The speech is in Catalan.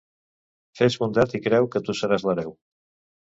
Fes bondat i creu, que tu seràs l'hereu.